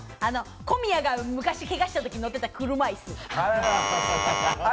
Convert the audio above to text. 小宮が昔、けがしたときに乗ってた車椅子。